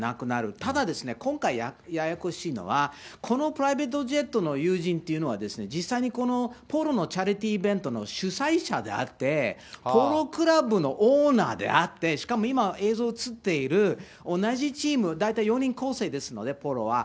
ただですね、今回ややこしいのは、このプライベートジェットの友人っていうのは、実際にこのポロのチャリティーイベントの主催者であって、ポロクラブのオーナーであって、しかも今、映像に映っている同じチーム、大体４人構成ですので、ポロは。